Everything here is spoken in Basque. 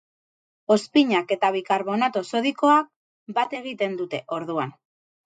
Ozpinak eta bikarbonato sodikoak bat egiten dute, orduan.